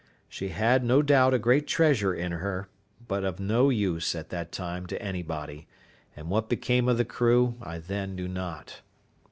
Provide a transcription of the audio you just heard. She had, no doubt, a great treasure in her, but of no use, at that time, to anybody; and what became of the crew I then knew not.